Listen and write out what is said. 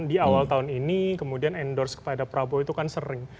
di awal tahun ini kemudian endorse kepada prabowo itu kan sering